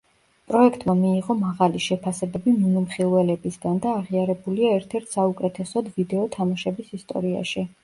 პროექტმა მიიღო მაღალი შეფასებები მიმოხილველებისგან და აღიარებულია ერთ-ერთ საუკეთესოდ ვიდეო თამაშების ისტორიაში.